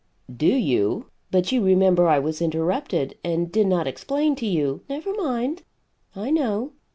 "Do you? But you remember I was interrupted, and did not explain to you " "Never mind, I know.